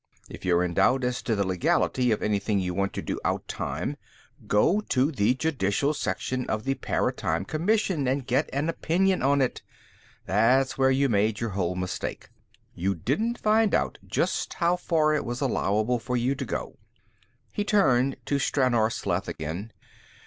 If you're in doubt as to the legality of anything you want to do outtime, go to the Judicial Section of the Paratime Commission and get an opinion on it. That's where you made your whole mistake. You didn't find out just how far it was allowable for you to go." He turned to Stranor Sleth again.